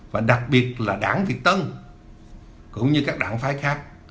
và đặc biệt là đảng việt tân cũng như các đảng phái khác